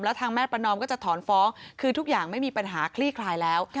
แล้วทางแม่ประนอมก็จะถอนฟ้องคือทุกอย่างไม่มีปัญหาคลี่คลายแล้ว